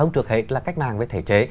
trước hết là cách màng về thể chế